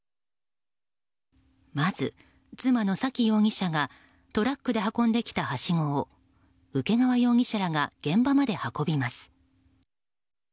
まず、妻の左稀容疑者がトラックで運んできたはしごを請川容疑者らが現場まで運びます。